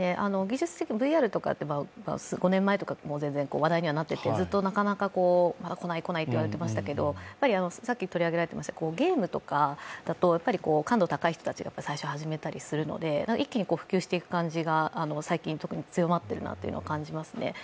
ＶＲとかって５年前とか全然話題にはなっていてずっとなかなかまだ来ない来ないっていわれてましたけど、さっき取り上げられていましたゲームとかだと感度が高い人たちが最初に始めたりするので一気に普及していく感じが最近特に強まっているなっていうのを感じますね。